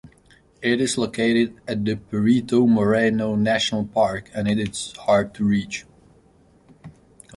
It is located at the Perito Moreno National Park, and it is hard to reach.